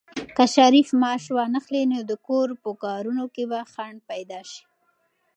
که شریف معاش وانخلي، نو د کور په کارونو کې به خنډ پيدا شي.